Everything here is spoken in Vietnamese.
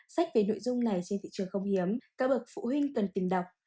sách về nội dung này trên thị trường không hiếm các bậc phụ huynh cần tìm đọc